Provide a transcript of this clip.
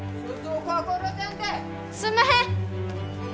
すんまへん！